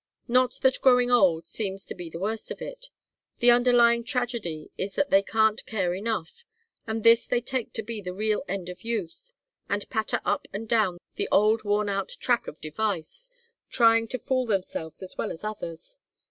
Not that growing old seems to be the worst of it. The underlying tragedy is that they can't care enough, and this they take to be the real end of youth, and patter up and down the old worn out track of device, trying to fool themselves as well as others.